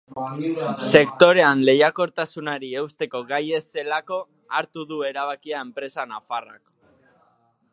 Sektorean lehiakortasunari eusteko gai ez zelako hartu du erabakia enpresa nafarrak.